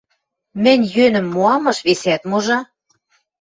— Мӹнь йӧнӹм моамыш, весӓт можы!